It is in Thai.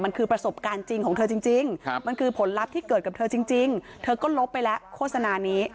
มันคือประสบการณ์จริงของเธอจริงมันคือผลลัพธ์ที่เกิดกับเธอจริงเธอก็ลบไปแล้วโฆษณานี้